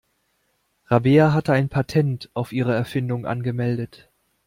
Rabea hat ein Patent auf ihre Erfindung angemeldet.